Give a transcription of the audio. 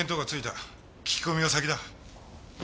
聞き込みが先だ。